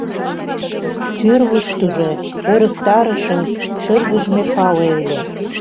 Тӱрвыштыжӧ ӧрыктарышын шыргыжме пале ыле.